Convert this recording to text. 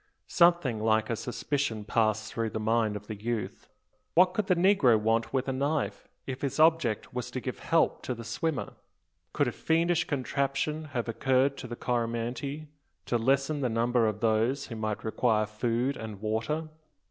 Something like a suspicion passed through the mind of the youth. What could the negro want with a knife, if his object was to give help to the swimmer? Could a fiendish conception have occurred to the Coromantee, to lessen the number of those who might require food and water?